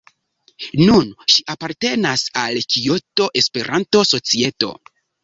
Nun ŝi apartenas al Kioto-Esperanto-Societo.